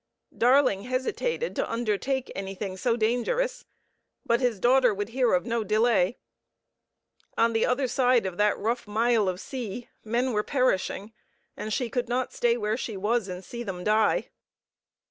Darling hesitated to undertake anything so dangerous, but his daughter would hear of no delay. On the other side of that rough mile of sea men were perishing, and she could not stay where she was and see them die.